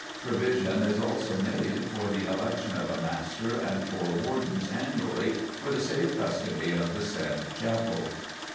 Provision is also made "for the election of a Master and four Wardens annually for the safe custody of the said chapel."